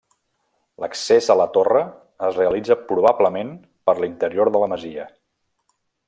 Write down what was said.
L'accés a la torre es realitza probablement per l'interior de la masia.